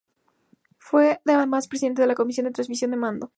Fue además presidente de la Comisión de Transición de Mando.